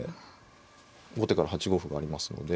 後手から８五歩がありますので。